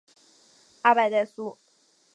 阿邦代苏。